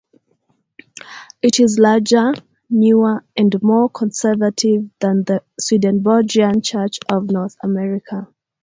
It is larger, newer, and more conservative than the Swedenborgian Church of North America.